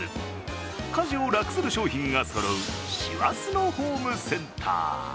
家事を楽する商品がそろう師走のホームセンター。